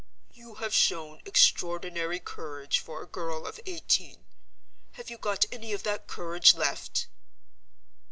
"You have shown extraordinary courage for a girl of eighteen. Have you got any of that courage left?"